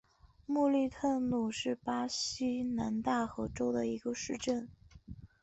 穆利特努是巴西南大河州的一个市镇。